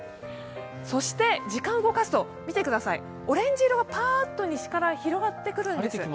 そして時間を動かすと、オレンジ色が西から広がってくるんです。